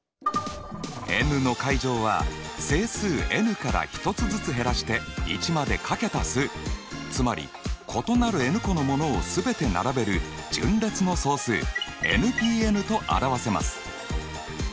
ｎ！は整数ｎから１つずつ減らして１まで掛けた数つまり異なるｎ個のものを全て並べる順列の総数ｎＰｎと表せます。